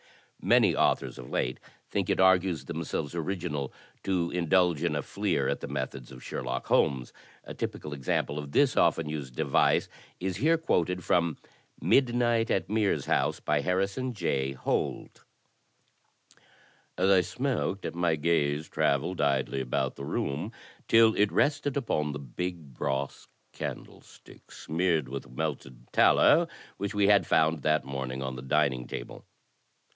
*' Many authors of late think it argues themselves original to indulge in a fleer at the methods of Sherlock Holmes. A typical example of this often used device is here quoted from "Midnight at Mears House," by Harrison J. Holt: As I smoked, my gaze travelled idly about the room till it rested upon the big brass candlestick smeared with melted tallow which we had found that morning on the dining table.